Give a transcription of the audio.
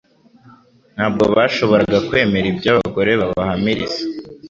Ntabwo bashoboraga kwemera ibyo abagore babahamiriza